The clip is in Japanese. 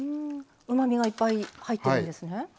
うまみがいっぱい入ってるんですね。